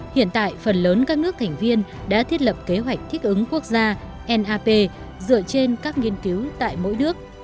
hiện tại phần lớn các nước thành viên đã thiết lập kế hoạch thích ứng quốc gia nap dựa trên các nghiên cứu tại mỗi nước